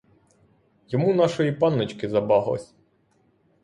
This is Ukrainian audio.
Йому нашої панночки забаглось.